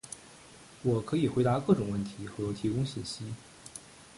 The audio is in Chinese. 我可以回答各种问题和提供信息。